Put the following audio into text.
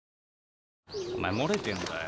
お前漏れてんだよ。